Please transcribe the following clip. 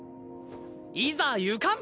いざ行かん！